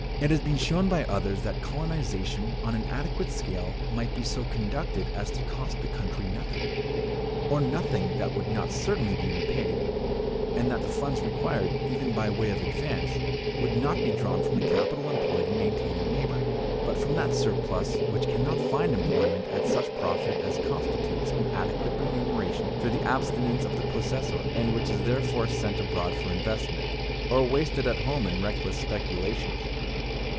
It has been shown by others that colonization on an adequate scale might be so conducted as to cost the country nothing, or nothing that would not be certainly repaid; and that the funds required, even by way of advance, would not be drawn from the capital employed in maintaining labor, but from that surplus which can not find employment at such profit as constitutes an adequate remuneration for the abstinence of the possessor, and which is therefore sent abroad for investment, or wasted at home in reckless speculations.